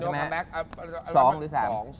๒หรือ๓